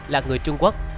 là người trung quốc